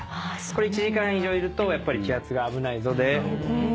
１時間以上いるとやっぱり気圧が危ないぞではい。